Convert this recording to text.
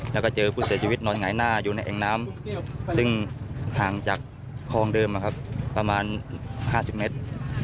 แล้วก็เจอผู้เสียชีวิตนอนหงายหน้าอยู่ในแอ่งน้ำซึ่งห่างจากคลองเดิมประมาณ๕๐เมตร